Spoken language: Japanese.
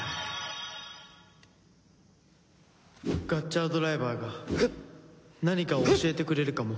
ガッチャードライバーが何かを教えてくれるかも